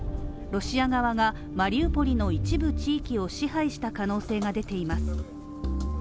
ロシア側がマリウポリの一部地域を支配した可能性が出ています。